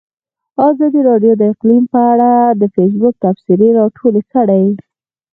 ازادي راډیو د اقلیم په اړه د فیسبوک تبصرې راټولې کړي.